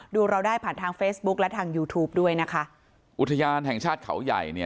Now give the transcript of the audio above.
เราได้ผ่านทางเฟซบุ๊คและทางยูทูปด้วยนะคะอุทยานแห่งชาติเขาใหญ่เนี่ย